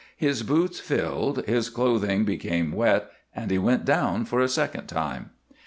His boots filled, his clothing became wet and he went down for a second time.